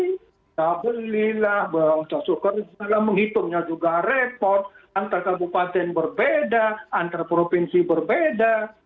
kita belilah kita suka menghitungnya juga repot antar kabupaten berbeda antar provinsi berbeda